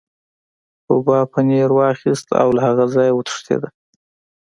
روباه پنیر واخیست او له هغه ځایه وتښتید.